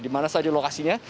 di mana saja lokasinya